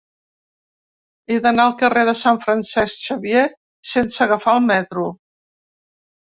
He d'anar al carrer de Sant Francesc Xavier sense agafar el metro.